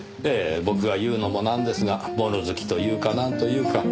僕が言うのもなんですが物好きというかなんというか。